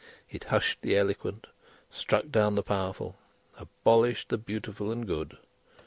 It hushed the eloquent, struck down the powerful, abolished the beautiful and good.